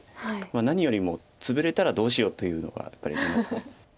何よりもツブれたらどうしようというのがやっぱりあります。